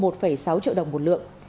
một sáu triệu đồng một lượng